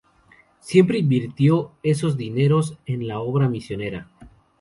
Siempre invirtió esos dineros en la obra misionera.